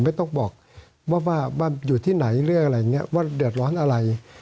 ไม่ต้องบอกว่าอยู่ที่ไหนหรืออะไรอย่างนี้ว่าเดือดร้อนอะไร